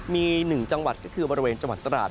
มี๑จังหวัดก็คือบริเวณจังหวัดตราด